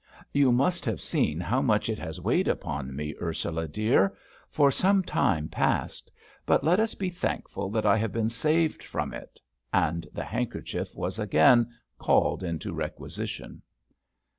You must have seen how much it has weighed upon me, Ursula dear, for some time past; but let us be thankful that I have been saved from it," and the handkerchief was again called into requisition.